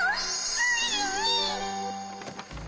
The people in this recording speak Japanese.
ついに！